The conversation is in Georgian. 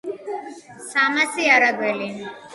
სამასი არაგველი